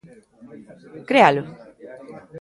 ¿Crealo?